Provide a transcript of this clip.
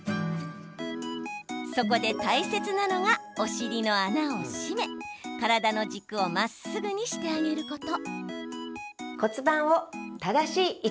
そこで大切なのがお尻の穴を締め体の軸をまっすぐにしてあげること。